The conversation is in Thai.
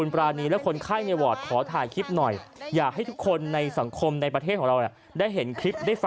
ประทับใจมาก